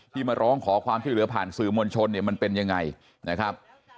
มาร้องขอความช่วยเหลือผ่านสื่อมวลชนเนี่ยมันเป็นยังไงนะครับ